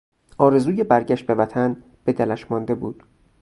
آرزوی برگشت به وطن به دلش مانده بود.